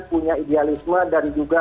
punya idealisme dan juga